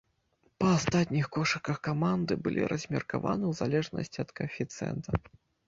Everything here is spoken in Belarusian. Па астатніх кошыках каманды былі размеркаваны ў залежнасці ад каэфіцыента.